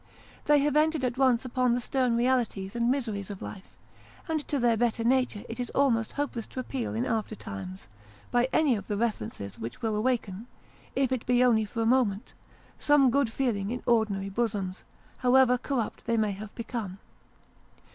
They have entered at once upon the stern realities and miseries of life, and to their better nature it is almost hopeless to appeal in aftertimes, by any of the references which will awaken, if it be only for a moment, some good feeling in ordinary bosoms, however corrupt they may have become.